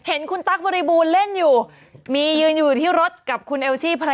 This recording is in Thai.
เห็นคุณตั๊กบริบูรณ์เล่นอยู่มียืนอยู่ที่รถกับคุณเอลซี่ภรรยา